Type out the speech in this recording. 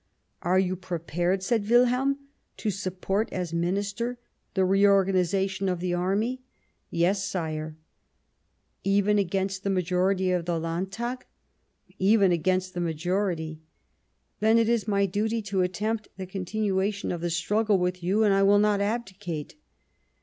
" Are you prepared," said Wilhelm, " to support, as Minister, the reorganization of the Army ?"" Yes, sire." " Even against the majority of the Landtag ?"" Even against the majority." " Then it is my duty to attempt the continuation of the struggle with you, and I will not abdicate."